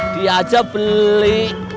dia aja beli